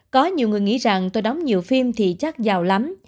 có nhiều người nghĩ rằng tôi đóng nhiều phim thì chắc rào lắm